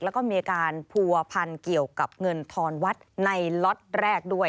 แล้วก็มีการผัวพันเกี่ยวกับเงินทอนวัดในล็อตแรกด้วย